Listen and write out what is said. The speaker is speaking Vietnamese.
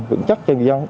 vững chắc cho người dân